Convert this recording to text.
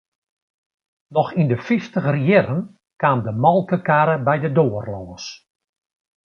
Noch yn 'e fyftiger jierren kaam de molkekarre by de doar lâns.